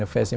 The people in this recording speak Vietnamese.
khi quý vị